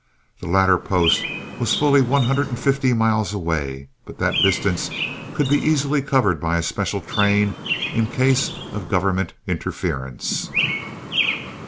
The latter post was fully one hundred and fifty miles away, but that distance could be easily covered by a special train in case of government interference.